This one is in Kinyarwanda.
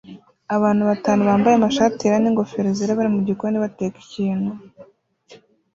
Abantu batanu bambaye amashati yera n'ingofero zera bari mugikoni bateka ikintu